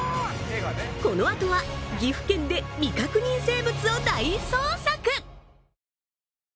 このあとは岐阜県で未確認生物を大捜索！